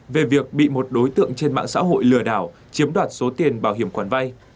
về việc bị một đối tượng trên mạng xã hội lừa đảo chiếm đoạt số tiền bảo hiểm khoản vay